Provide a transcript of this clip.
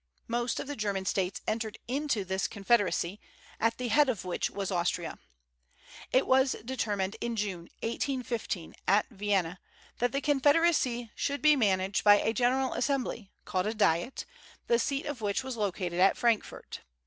Most of the German States entered into this Confederacy, at the head of which was Austria. It was determined in June, 1815, at Vienna, that the Confederacy should be managed by a general assembly, called a Diet, the seat of which was located at Frankfort.